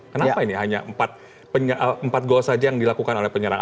kenapa ini hanya empat gol saja yang dilakukan oleh penyerang